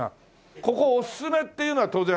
ここおすすめっていうのは当然あるでしょ？